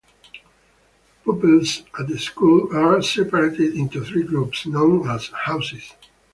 Pupils at the school are separated into three groups, known as "houses".